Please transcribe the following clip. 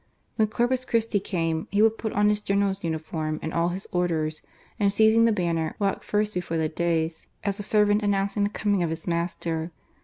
When Corpus Christi came, he would put on his General's uniform and all his orders, and seizing the banner, walk first before the dais as a servant announcing the coming of his Master.